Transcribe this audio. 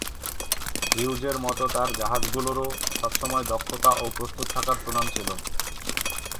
হিউজের মতো তার জাহাজগুলোরও সবসময় দক্ষতা ও প্রস্তুত থাকার সুনাম ছিল।